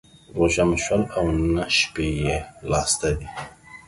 روژه مو شل او نه شپې يې لا سته دى.